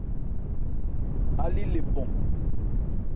Álí le bɔn.